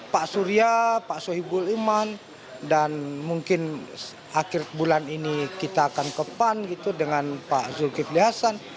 pak surya pak sohibul iman dan mungkin akhir bulan ini kita akan kepan gitu dengan pak zulkifli hasan